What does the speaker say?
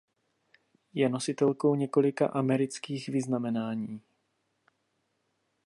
Je nositelkou několika amerických vyznamenání.